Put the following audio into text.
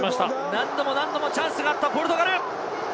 何度もチャンスがあったポルトガル。